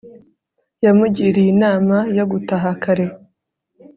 yamugiriye inama yo gutaha kare